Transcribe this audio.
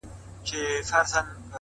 اوس يې صرف غزل لولم ـ زما لونگ مړ دی ـ